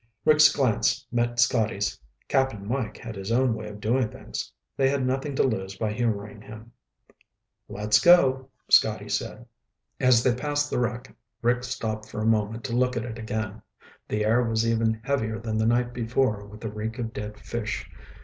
Rick's glance met Scotty's. Cap'n Mike had his own way of doing things. They had nothing to lose by humoring him. "Let's go," Scotty said. As they passed the wreck, Rick stopped for a moment to look at it again. The air was even heavier than the night before with the reek of dead fish.